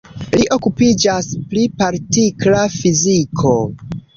Li okupiĝas pri partikla fiziko.